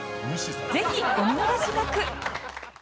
ぜひ、お見逃しなく！